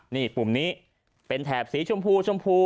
นี่ปุ่มนี้เป็นแถบสีชมพูชมพู